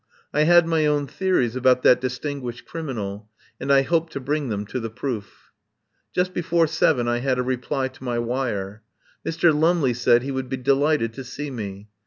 I had my own theories about that distinguished criminal, and I hoped to bring them to the proof. Just before seven I had a reply to my wire. Mr. Lumley said he would be delighted to see me.